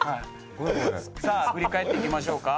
さあ振り返っていきましょうか。